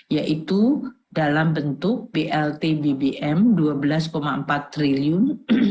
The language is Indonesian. yaitu dalam bentuk blt bbm rp dua belas empat triliun